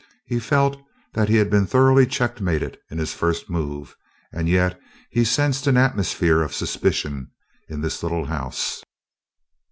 He felt that he had been thoroughly checkmated in his first move; and yet he sensed an atmosphere of suspicion in this little house.